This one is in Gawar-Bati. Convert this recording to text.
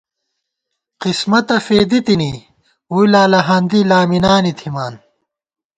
قسمَتہ فېدی تِنی، ووئی لالہاندی لامِنانی تھِمان